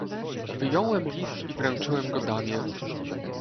"Wyjąłem list i wręczyłem go damie."